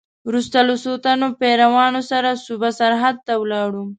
وروسته له څو تنو پیروانو سره صوبه سرحد ته ولاړ.